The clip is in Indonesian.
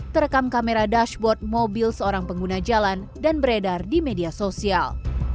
terekam kamera dashboard mobil seorang pengguna jalan dan beredar di media sosial